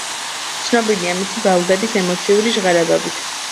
ცნობილია მისი ბალადების ემოციური ჟღერადობით.